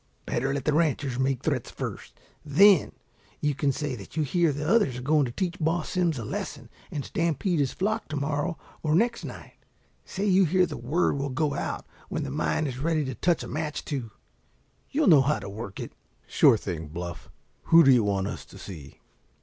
"Better let the ranchers make threats first, then you can say that you hear the others are going to teach Boss Simms a lesson and stampede his flock to morrow or next night. Say you hear the word will go out when the mine is ready to touch a match to. You'll know how to work it?" "Sure thing, Bluff. Who do you want us to see?"